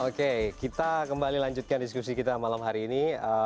oke kita kembali lanjutkan diskusi kita malam hari ini